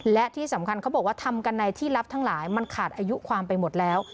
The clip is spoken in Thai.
และที่สำคัญเขาบอกว่าทำกันในที่ลับทั้งหลายมันขาดอายุความไปหมดแล้ว